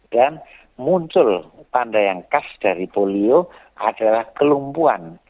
dan muncul tanda yang khas dari polio adalah kelumpuan